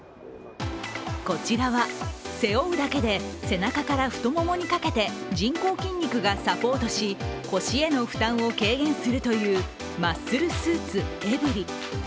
こちらは、背負うだけで背中から太ももにかけて人工筋肉がサポートし腰への負担を軽減するというマッスルスーツ・エブリ。